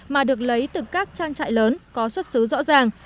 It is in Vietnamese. mà được lấy từ các trang trại lớn có xuất xứ rõ ràng